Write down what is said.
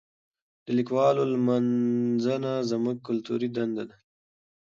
د لیکوالو لمانځنه زموږ کلتوري دنده ده.